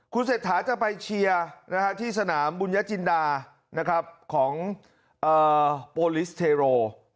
คุณเศรษฐาจะไปเชียร์ที่สนามบุญญจินดาของโอลิสเทโร